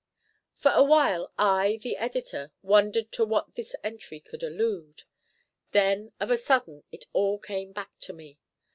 For a while I, the Editor, wondered to what this entry could allude. Then of a sudden it all came back to me.